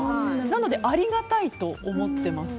なので、ありがたいと思ってます。